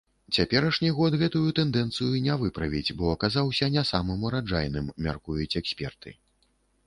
Цяперашні год гэтую тэндэнцыю не выправіць, бо аказаўся не самым ураджайным, мяркуюць эксперты.